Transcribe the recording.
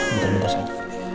bentar bentar sayang